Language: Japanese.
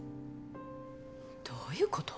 どういうこと？